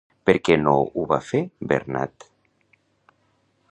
Per què no ho va fer Bernad?